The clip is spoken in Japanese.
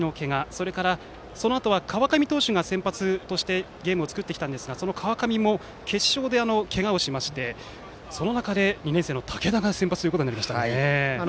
それから、そのあと川上投手が先発としてゲームを作ってきましたがその川上も決勝でけがをしましてその中で２年生の竹田が先発となりましたね。